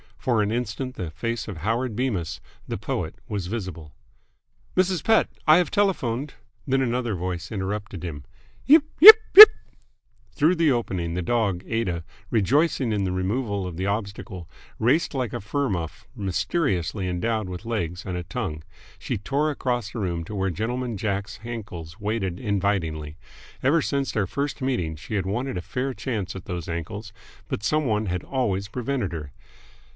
For an instant the face of Howard Bemis, the poet, was visible. "Mrs. Pett, I have telephoned " Then another voice interrupted him. "Yipe! Yipe! Yipe!" Through the opening the dog Aida, rejoicing in the removal of the obstacle, raced like a fur muff mysteriously endowed with legs and a tongue. She tore across the room to where Gentleman Jack's ankles waited invitingly. Ever since their first meeting she had wanted a fair chance at those ankles, but some one had always prevented her.